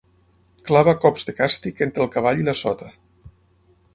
Clava cops de càstig entre el cavall i la sota.